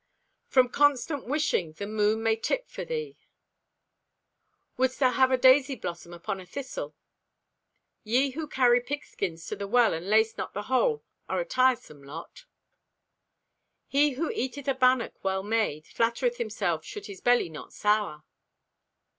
"From constant wishing the moon may tip for thee." "Wouldst thou have a daisy blossom upon a thistle?" "Ye who carry pigskins to the well and lace not the hole are a tiresome lot." "He who eateth a bannock well made flattereth himself should his belly not sour."